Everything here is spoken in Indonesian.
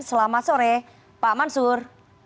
selamat sore pak mansur